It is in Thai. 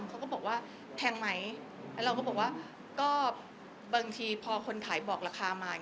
เขาก็บอกว่าแพงไหมแล้วเราก็บอกว่าก็บางทีพอคนขายบอกราคามา